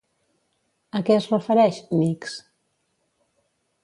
A què es refereix "Nyx"?